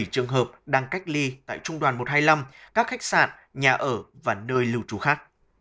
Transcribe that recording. hai trăm hai mươi bảy trường hợp đang cách ly tại trung đoàn một trăm hai mươi năm các khách sạn nhà ở và nơi lưu trú khác